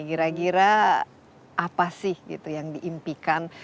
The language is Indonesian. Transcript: gira gira apa sih gitu yang diimpikan